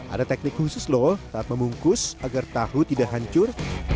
ada teknik khusus loh saat membungkus agar tahu tidak hancur